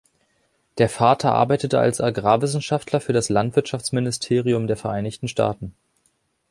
Der Vater arbeitete als Agrarwissenschaftler für das Landwirtschaftsministerium der Vereinigten Staaten.